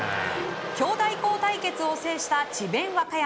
兄弟校対決を制した智弁和歌山。